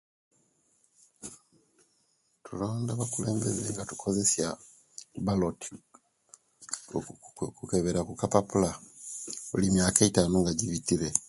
Tulonda abakulembezi nga tukozesiya balot nga tukebera kukapapula buli miyaka eitanu nga jibitire